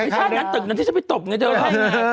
ชาตินั้นตึกนั้นที่จะไปตบไงเจ้า